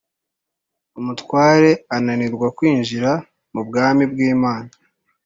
Umutware ananirwa kwinjira mu bwami bw’Imana